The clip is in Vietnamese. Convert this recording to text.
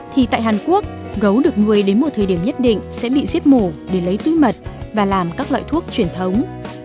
thì tại hàn quốc gấu được nuôi đến một thời điểm nhất định sẽ bị giết mổ để lấy túi mật và làm các loại thuốc truyền thống